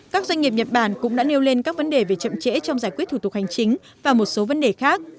các doanh nghiệp nhật bản cũng đã nêu lên các vấn đề về chậm trễ trong giải quyết thủ tục hành chính và một số vấn đề khác